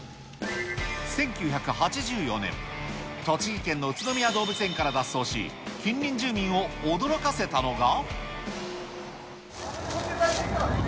１９８４年、栃木県の宇都宮動物園から脱走し、近隣住民を驚かせたのが。